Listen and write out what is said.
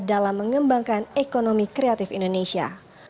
dalam mengembangkan ekonomi kreatif indonesia